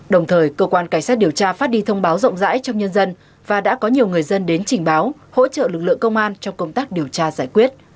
đồng thời cơ quan cảnh sát điều tra phát đi thông báo rộng rãi trong nhân dân và đã có nhiều người dân đến trình báo hỗ trợ lực lượng công an trong công tác điều tra giải quyết